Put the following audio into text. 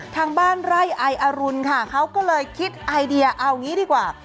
ทางบ้านไร่ไออรุณค่ะเขาก็เลยคิดไอเดียเอางี้ดีกว่า